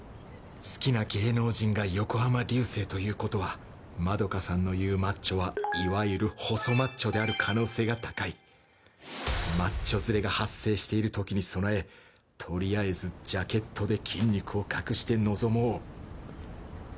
好きな芸能人が横浜流星ということはまどかさんの言うマッチョはいわゆる細マッチョである可能性が高いマッチョズレが発生している時に備えとりあえずジャケットで筋肉を隠してのぞもう